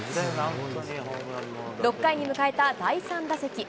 ６回に迎えた第３打席。